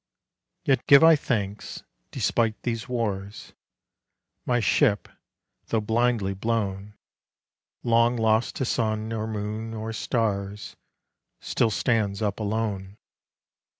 Yet give I thanks; despite these wars, My ship though blindly blown, Long lost to sun or moon or stars Still stands up alone.